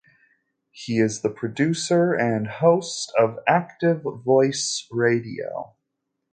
He is the producer and host of "Active Voice Radio".